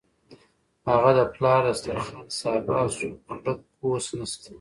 هغه د پلار د دسترخوان سابه او سوکړک اوس نشته.